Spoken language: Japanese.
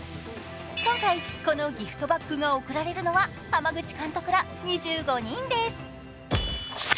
今回、このギフトバックが送られるのは濱口監督ら２５人です。